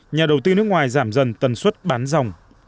nhà đầu tư nước ngoài giảm dần tần suất bán dòng